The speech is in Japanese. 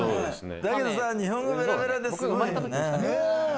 だけどさ、日本語ペラペラですごいよね。